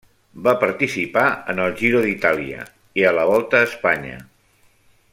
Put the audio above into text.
Va participar en el Giro d'Itàlia i a la Volta a Espanya.